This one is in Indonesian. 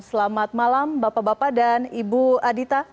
selamat malam bapak bapak dan ibu adita